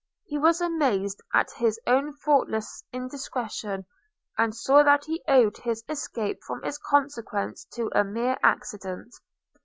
He was amazed at his own thoughtless indiscretion; and saw that he owed his escape from its consequences to a mere accident.